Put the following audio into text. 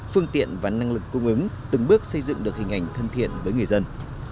phương tiện và năng lực cung ứng từng bước xây dựng được hình ảnh thân thiện với người dân